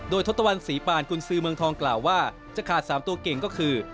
โดยทศตวรรษีปานกุญซือเมืองทองกล่าวว่าจะขาด๓ตัวเก่งก็คือ